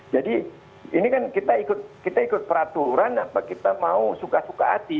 jadi ini kan kita ikut peraturan apa kita mau suka suka hati